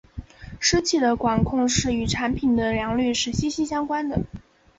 湿气的管控是与产品的良率是息息相关的。